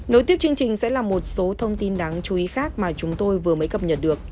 nối tiếp chương trình sẽ là một số thông tin đáng chú ý khác mà chúng tôi vừa mới cập nhật được